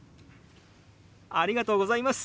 「ありがとうございます。